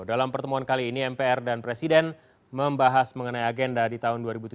dalam pertemuan kali ini mpr dan presiden membahas mengenai agenda di tahun dua ribu tujuh belas